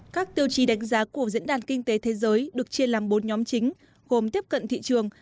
các tiêu chí đánh giá của diễn đàn kinh tế thế giới được chia làm bốn nhóm chính gồm tiếp cận thị trường